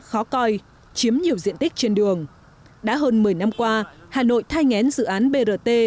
khó coi chiếm nhiều diện tích trên đường đã hơn một mươi năm qua hà nội thay ngén dự án brt